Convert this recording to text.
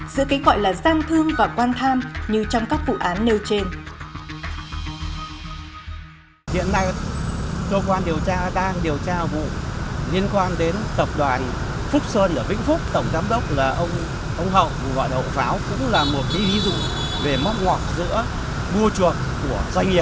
giữa cái gọi là gian thương và quan tham như trong các vụ án nêu trên